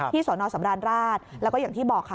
สอนอสำราญราชแล้วก็อย่างที่บอกค่ะ